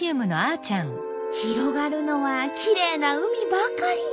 広がるのはきれいな海ばかり。